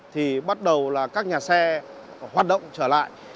thì bắt đầu là các nhà xe hoạt động trở lại